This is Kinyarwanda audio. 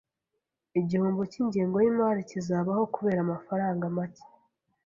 Igihombo cyingengo yimari kizabaho kubera amafaranga make.